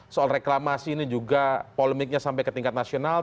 soal reklamasi ini juga polemiknya sampai ke tingkat nasional